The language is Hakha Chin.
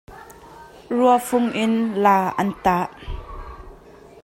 Rua fung in la an tah.